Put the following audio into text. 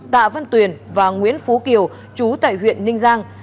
tạ văn tuyển và nguyễn phú kiều chú tại huyện ninh giang